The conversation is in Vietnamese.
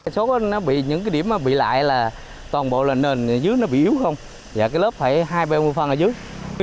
số nó bị những cái điểm mà bị lại là toàn bộ là nền dưới nó bị yếu không dạ cái lớp phải hai ba mươi phần ở dưới